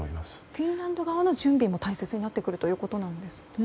フィンランド側の準備も大切になってくるということなんですね。